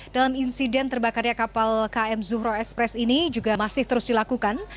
dalam insiden terbakarnya kapal km zuhro express ini juga masih terus dilakukan